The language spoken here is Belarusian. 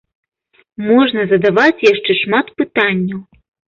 Можна задаваць яшчэ шмат пытанняў.